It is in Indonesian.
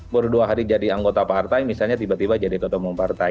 baru dua hari jadi anggota partai misalnya tiba tiba jadi ketua umum partai